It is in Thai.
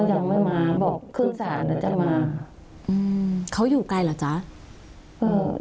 ยังไม่มาบอกขึ้นศาลแล้วจะมาอืมเขาอยู่ไกลเหรอจ๊ะเออ